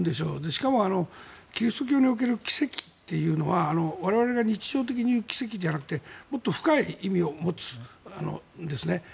しかも、キリスト教における奇跡というのは我々が日常的に言う奇跡じゃなくてもっと深い意味を持つんですね。